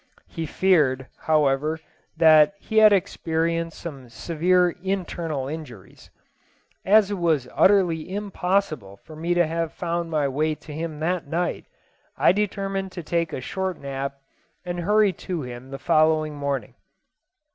He feared, however, that he had experienced some severe internal injuries. As it was utterly impossible for me to have found my way to him that night, I determined to take a short nap and hurry to him the following morning.